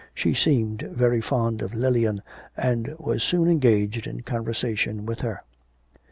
She seemed very fond of Lilian, and was soon engaged in conversation with her.